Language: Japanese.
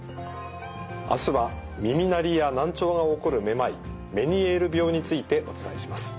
あすは耳鳴りや難聴が起こるめまいメニエール病についてお伝えします。